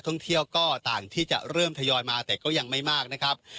ท่องเที่ยวก็ต่างที่จะเริ่มทยอยมาแต่ก็ยังไม่มากนะครับ